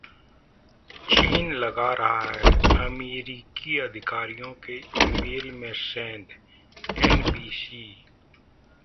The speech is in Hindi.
चीन लगा रहा है अमेरिकी अधिकारियों के ईमेल में सेंध - एनबीसी